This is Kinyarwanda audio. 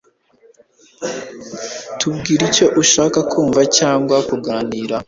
Tubwire icyo ushaka kumva cyangwa kuganira